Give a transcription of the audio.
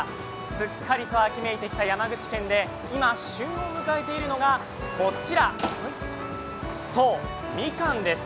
すっかりと秋めいてきた山口県で今、旬を迎えているのがこちら、そう、みかんです。